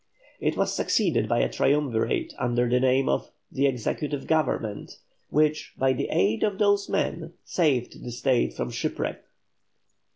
It was succeeded by a Triumvirate under the name of "The Executive Government," which, by the aid of those men, saved the State from shipwreck.